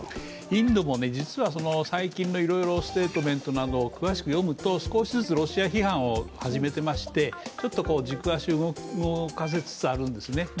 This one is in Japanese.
インドも実は最近のいろいろステートメントなどを詳しく読むと、少しずつロシア批判を始めてまして軸足を動かしつつあるんですね。